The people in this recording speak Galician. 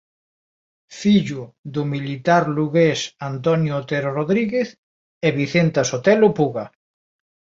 Fillo do militar lugués Antonio Otero Rodríguez e Vicenta Sotelo Puga.